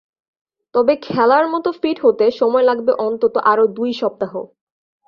তবে খেলার মতো ফিট হতে সময় লাগবে অন্তত আরও দুই সপ্তাহ।